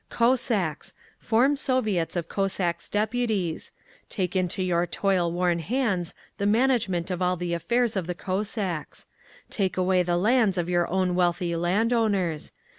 Cossacks! Form Soviets of Cossacks' Deputies. Take into your toil worn hands the management of all the affairs of the Cossacks. Take away the lands of your own wealthy landowners.